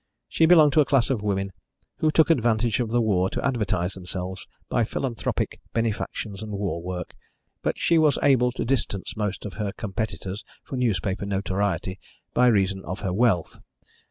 She belonged to a class of women who took advantage of the war to advertise themselves by philanthropic benefactions and war work, but she was able to distance most of her competitors for newspaper notoriety by reason of her wealth.